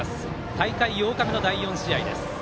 大会８日目の第４試合です。